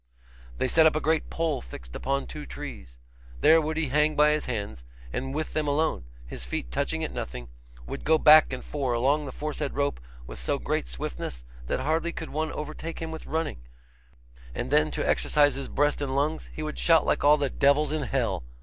They set up a great pole fixed upon two trees. There would he hang by his hands, and with them alone, his feet touching at nothing, would go back and fore along the foresaid rope with so great swiftness that hardly could one overtake him with running; and then, to exercise his breast and lungs, he would shout like all the devils in hell.